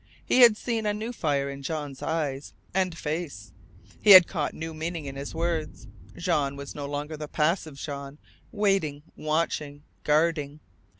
He had seen a new fire in Jean's eyes and face; he had caught new meaning in his words, Jean was no longer the passive Jean waiting, watching, guarding.